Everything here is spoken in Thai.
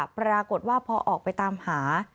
ปรากฏว่าพอออกไปตามหา